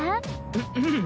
ううん。